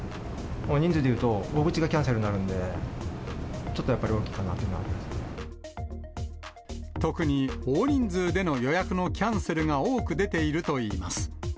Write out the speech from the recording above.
人数でいうと、大口がキャンセルになるんで、ちょっとやっぱり大特に、大人数での予約のキャンセルが多く出ているといいます。